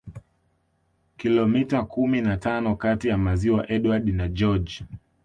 Kilomita kumi na tano kati ya maziwa Edward na George